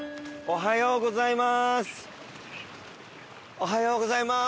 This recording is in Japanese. おはようございます。